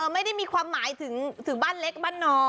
ไม่ได้มีความหมายถึงบ้านเล็กบ้านน้อย